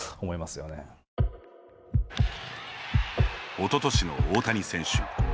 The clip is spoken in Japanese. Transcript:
おととしの大谷選手。